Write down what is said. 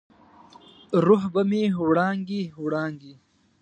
روح به مې وړانګې، وړانګې،